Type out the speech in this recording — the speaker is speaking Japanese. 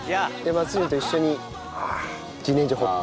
「松潤と一緒に自然薯掘って」